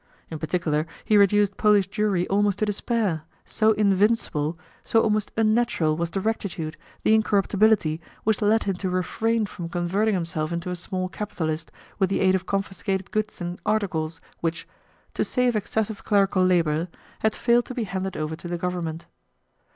In particular, he reduced Polish Jewry almost to despair, so invincible, so almost unnatural, was the rectitude, the incorruptibility which led him to refrain from converting himself into a small capitalist with the aid of confiscated goods and articles which, "to save excessive clerical labour," had failed to be handed over to the Government.